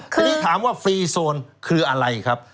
ทีนี้ถามว่าฟรีโซนคืออะไรครับ